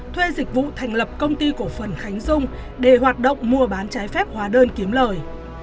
thuê dịch vụ thành lập công ty cổ phần khánh dung để hoạt động mua bán trái phép hóa đơn kiếm lời